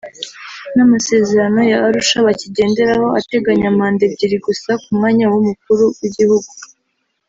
n’amasezerano ya Arusha bakigenderaho ateganya manda ebyiri gusa k’umwanya w’umukuru w’igihugu